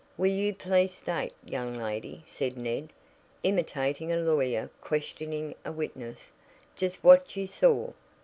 "Will you please state, young lady," said Ned, imitating a lawyer questioning a witness, "just what you saw?